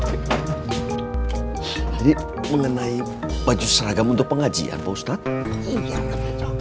jadi mengenai baju seragam untuk pengajian pak ustadz